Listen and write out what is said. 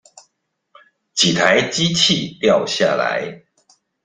幾台機器掉下來